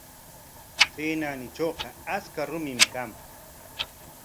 Chay naanitrawqa achka rumim kan.